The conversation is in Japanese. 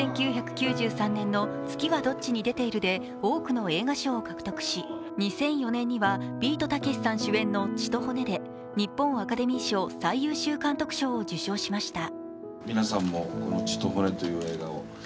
１９９３年の「月はどっちに出ている」で多くの映画賞を獲得し、２００４年には、ビートたけしさん主演の「血と骨」で日本アカデミー賞最優秀監督賞を受賞しました。